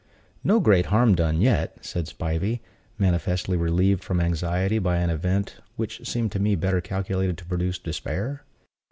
"No great harm done yet," said Spivey, manifestly relieved from anxiety by an event which seemed to me better calculated to produce despair.